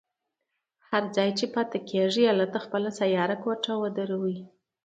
هر ځای چې پاتې کېږي هلته خپله سیاره کوټه ودروي.